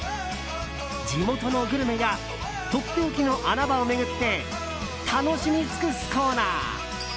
地元のグルメやとっておきの穴場を巡って楽しみ尽くすコーナー。